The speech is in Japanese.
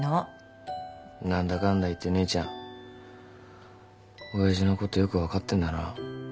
何だかんだ言って姉ちゃん親父のことよく分かってんだな。